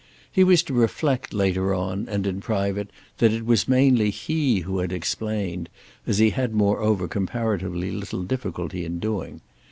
He was to reflect later on and in private that it was mainly he who had explained—as he had had moreover comparatively little difficulty in doing.